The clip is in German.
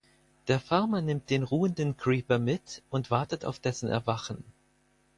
Der Farmer nimmt den ruhenden Creeper mit und wartet auf dessen Erwachen.